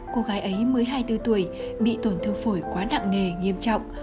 cô gái ấy mới hai mươi bốn tuổi bị tổn thương phổi quá nặng nề nghiêm trọng